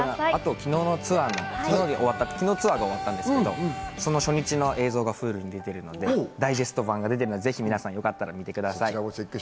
昨日、ツアーが終わったんですけど、その初日の映像がＨｕｌｕに出ているのでダイジェスト版が出ているので、皆さんぜひよかったら見てください。